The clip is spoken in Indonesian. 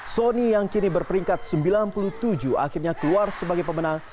sony yang kini berperingkat sembilan puluh tujuh akhirnya keluar sebagai pemenang